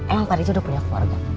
emang tadi aja udah punya keluarga